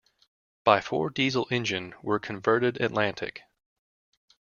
By four diesel engine were converted Atlantic.